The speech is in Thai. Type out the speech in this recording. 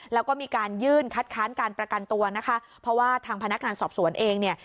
แล้วก็มีการยื่นคัดค้านการประกันตัวนะคะเพราะว่าทางพนักงานสอบสวนเองเนี่ย